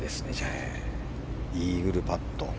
イーグルパット。